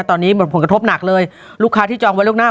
ตอนนี้ผลกระทบหนักเลยลูกค้าที่จองไว้ล่วงหน้า